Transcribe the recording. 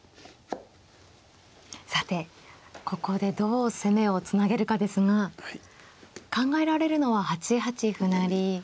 さてここでどう攻めをつなげるかですが考えられるのは８八歩成。